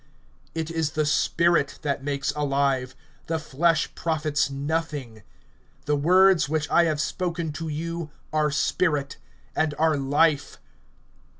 (63)It is the spirit that makes alive, the flesh profits nothing; the words which I have spoken to you are spirit, and are life.